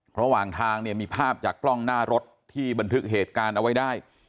ระหว่างทางเนี่ยมีภาพจากกล้องหน้ารถที่บันทึกเหตุการณ์เอาไว้ได้